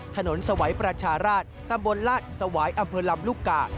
สวัยประชาราชตำบลลาดสวายอำเภอลำลูกกา